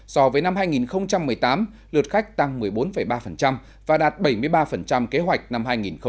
so với năm hai nghìn một mươi tám lượt khách tăng một mươi bốn ba và đạt bảy mươi ba kế hoạch năm hai nghìn một mươi chín